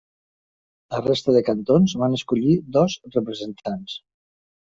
La resta de cantons van escollir dos representants.